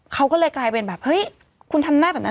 เขาก็เลยกลายเป็นแบบเฮ้ยคุณทำหน้าแบบนั้น